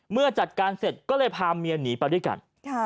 เมื่อจัดการเสร็จก็เลยพาเมียหนีไปด้วยกัน